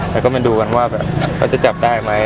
แล้วก็มาดูว่ามันจะจับได้ไหม